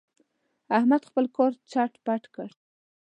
احمد خپل کار چټ پټ کړ.